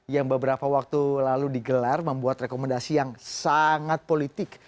yang beberapa waktu lalu digelar membuat rekomendasi yang sangat politik